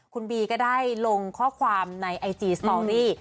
คุณบีก็ได้ลงข้อความในไอจีสตอรี่